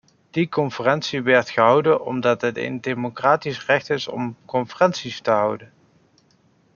Die conferentie werd gehouden omdat het een democratisch recht is om conferenties te houden.